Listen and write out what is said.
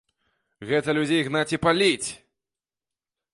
Гэта людзей гнаць і паліць!